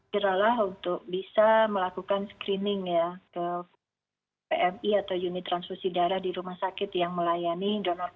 kira kira untuk bisa melakukan screening ya ke pmi atau unit transfusi darah di rumah sakit yang melayani